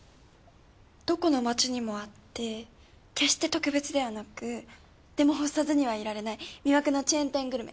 どこの街にもあって決して特別ではなくでも欲さずにはいられない魅惑のチェーン店グルメ。